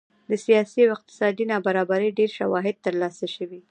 د سیاسي او اقتصادي نابرابرۍ ډېر شواهد ترلاسه شوي